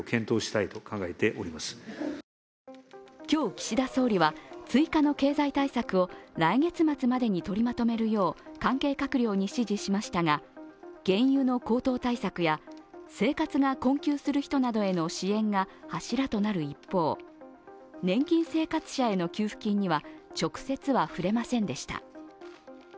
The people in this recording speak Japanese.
今日、岸田総理は追加の経済対策を来月末までに取りまとめるよう関係閣僚に指示しましたが原油の高騰対策や生活が困窮する人などへの支援が柱となる一方、年金生活者への給付金には直接は触れませんでした。